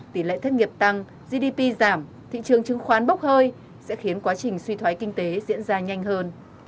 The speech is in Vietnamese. tỷ lệ thất nghiệp tăng gdp giảm thị trường chứng khoán bốc hơi sẽ khiến quá trình suy thoái kinh tế diễn ra nhanh hơn